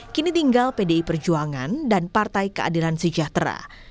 kini tinggal pdi perjuangan dan partai keadilan sejahtera